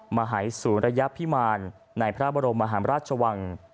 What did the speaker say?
มหายศูนระยะพิมารในพระบรมมหาราชวัง